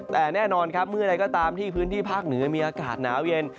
แต่แน่นอนครับเมื่อใดก็ตามที่พื้นที่ภาคเหนือมีอากาศหนาวเย็น